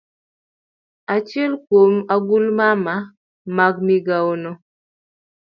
Achiel kuom ogulmama mag migawono